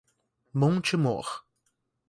Monte Mor